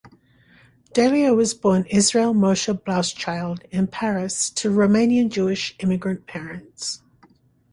Dalio was born Israel Moshe Blauschild in Paris to Romanian-Jewish immigrant parents.